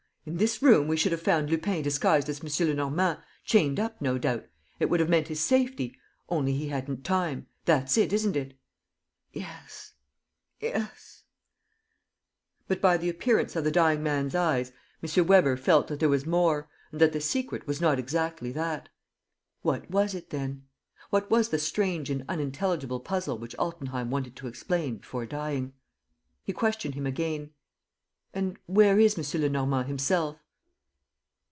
In this room, we should have found Lupin disguised as M. Lenormand, chained up, no doubt. It would have meant his safety; only he hadn't time. That's it, isn't it?" "Yes ... yes ..." But, by the appearance of the dying man's eyes, M. Weber felt that there was more, and that the secret was not exactly that. What was it, then? What was the strange and unintelligible puzzle which Altenheim wanted to explain before dying? He questioned him again: "And where is M. Lenormand himself?"